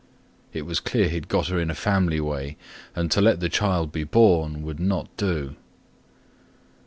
It was clear he had got her in a family way; And to let the child be born Would not do.